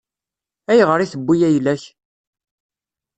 Ayɣer i tewwi ayla-k?